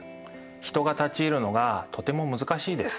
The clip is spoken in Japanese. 人が立ち入るのがとても難しいです。